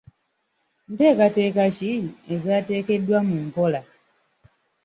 Nteekateeka ki ezaateekeddwa mu nkola?